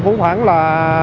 cũng khoảng là